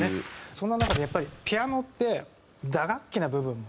そんな中でやっぱりピアノって打楽器な部分もあって。